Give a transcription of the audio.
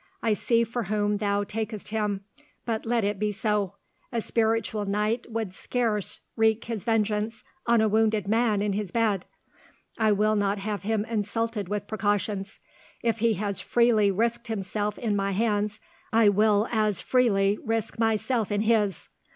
I see for whom thou takest him, but let it be so; a spiritual knight would scarce wreak his vengeance on a wounded man in his bed. I will not have him insulted with precautions. If he has freely risked himself in my hands, I will as freely risk myself in his.